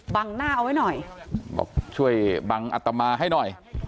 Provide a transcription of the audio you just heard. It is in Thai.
หน้าเอาไว้หน่อยบอกช่วยบังอัตมาให้หน่อย